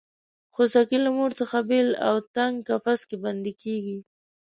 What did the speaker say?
خوسکی له مور څخه بېل او تنګ قفس کې بندي کېږي.